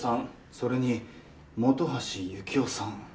それに本橋幸雄さん。